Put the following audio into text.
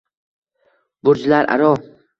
Burjlar aro